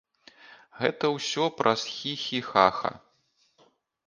Гэта ўсё праз хі-хі, ха-ха.